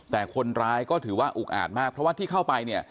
แต่คนร้ายก็ถือว่าอุกอาจมากเพราะว่าที่เข้าไปเนี่ย